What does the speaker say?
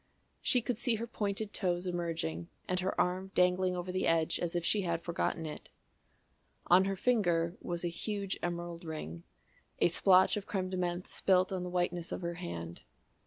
She could see her pointed toes emerging and her arm dangling over the edge as if she had forgotten it. On her finger was a huge emerald ring, a splotch of crème de menthe spilt on the whiteness of her hand.